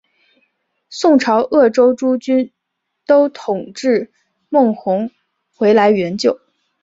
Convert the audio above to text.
宋朝鄂州诸军都统制孟珙回来援救。